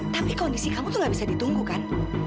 tapi kondisi kamu tuh gak bisa ditunggu kan